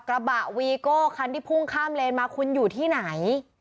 กระบะวีโก้คันที่พุ่งข้ามเลนมาคุณอยู่ที่ไหน